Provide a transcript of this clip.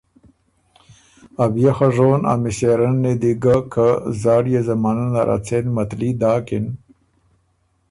ا بيې خه ژون ا مِݭېرنی دی ګۀ که زاړيې زمانۀ نر ا څېن متلي داکِن۔